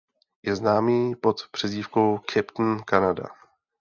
Je známý pod přezdívkou "Captain Canada".